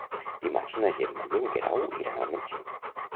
Dimarts na Gemma i en Guerau iran al metge.